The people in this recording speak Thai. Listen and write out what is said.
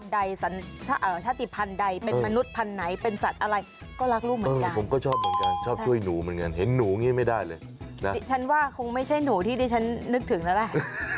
ใดชาติภัณฑ์ใดเป็นมนุษย์พันธุ์ไหนเป็นสัตว์อะไรก็รักลูกเหมือนกันผมก็ชอบเหมือนกันชอบช่วยหนูเหมือนกันเห็นหนูอย่างนี้ไม่ได้เลยนะดิฉันว่าคงไม่ใช่หนูที่ดิฉันนึกถึงแล้วแหละ